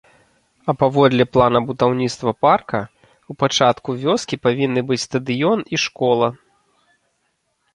А паводле плана будаўніцтва парка, у пачатку вёскі павінны быць стадыён і школа.